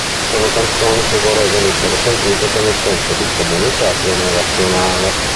Sono canzoni che vorrei venissero sentite con un senso di comunità generazionale”".